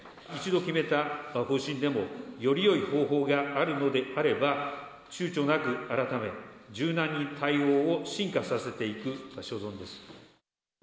一度決めた方針でも、よりよい方法があるのであれば、ちゅうちょなく改め、柔軟に対応を進化させていく所存です。